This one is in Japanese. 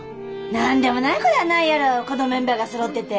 何でもないことはないやろこのメンバーがそろってて。